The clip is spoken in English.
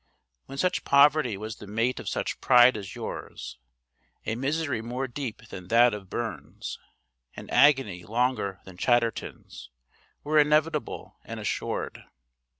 When such poverty was the mate of such pride as yours, a misery more deep than that of Burns, an agony longer than Chatterton's, were inevitable and assured.